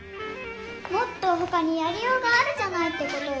もっとほかにやりようがあるじゃないってことよ。